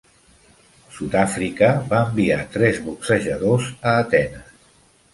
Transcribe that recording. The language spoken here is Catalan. Sud-Àfrica va enviar tres boxejadors a Atenes.